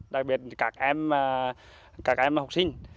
đặc biệt các em học sinh